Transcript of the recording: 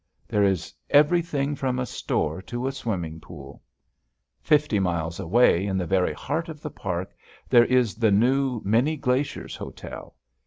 There is everything from a store to a swimming pool. Fifty miles away in the very heart of the park there is the new Many Glaciers Hotel.